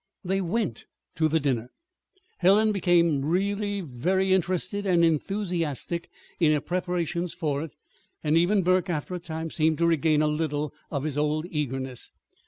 They went to the dinner. Helen became really very interested and enthusiastic in her preparations for it; and even Burke, after a time, seemed to regain a little of his old eagerness.